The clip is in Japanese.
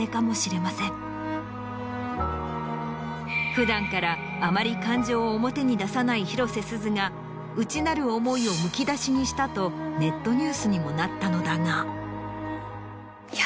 普段からあまり感情を表に出さない広瀬すずが内なる思いをむき出しにしたとネットニュースにもなったのだが。